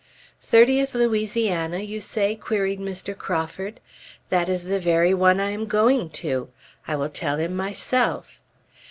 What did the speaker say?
"Thirtieth Louisiana, you say?" queried Mr. Crawford. "That is the very one I am going to! I will tell him myself!"